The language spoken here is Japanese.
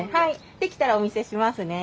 できたらお見せしますね。